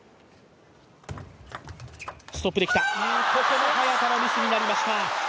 ここも早田のミスになりました。